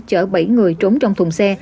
chở bảy người trốn trong thùng xe